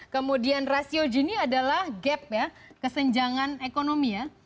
kemudian rasioji ini adalah gap ya kesenjangan ekonomi ya